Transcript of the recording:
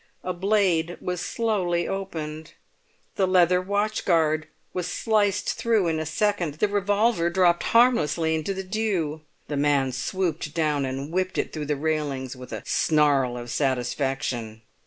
A blade was slowly opened; the leather watch guard was sliced through in a second; the revolver dropped harmlessly into the dew. The man swooped down and whipped it through the railings with a snarl of satisfaction.